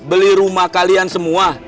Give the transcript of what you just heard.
beli rumah kalian semua